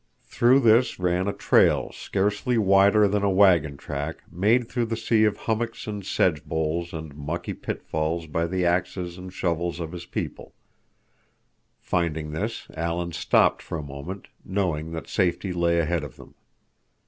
Through this ran a trail scarcely wider than a wagon track, made through the sea of hummocks and sedge boles and mucky pitfalls by the axes and shovels of his people; finding this, Alan stopped for a moment, knowing that safety lay ahead of them.